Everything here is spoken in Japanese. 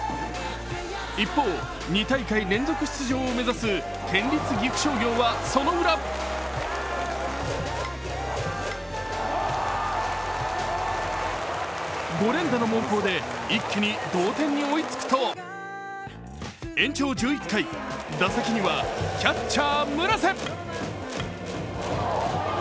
一方、２大会連続出場を目指す県立岐阜商業はそのウラ５連打の猛攻で一気に同点に追いつくと延長１１回、打席にはキャッチャー・村瀬。